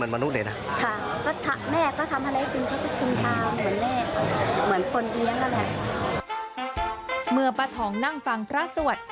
เมื่อป้าทองนั่งฟังพระสวด